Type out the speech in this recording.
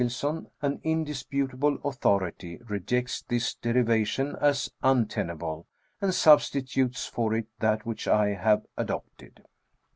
37 bjom Egilsson, an indisputable authority, rejects this derivation as untenable, and substitutes for it that which I have adopted.